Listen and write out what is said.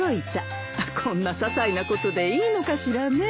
こんなささいなことでいいのかしらね。